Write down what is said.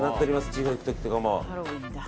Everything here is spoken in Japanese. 地方行く時とかも。